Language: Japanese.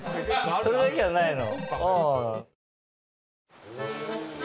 それだけはないの。